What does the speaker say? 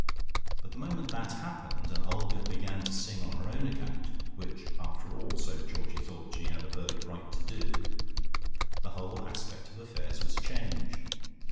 But the moment that happened, and Olga began to sing on her own account (which after all, so Georgie thought, she had a perfect right to do), the whole aspect of affairs was changed.